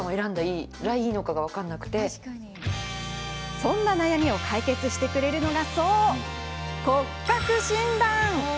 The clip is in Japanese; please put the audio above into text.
そんな悩みを解決してくれるのがそう、骨格診断。